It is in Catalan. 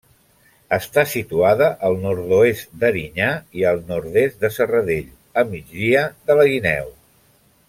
Està situada al nord-oest d'Erinyà i al nord-est de Serradell, a migdia de la Guineu.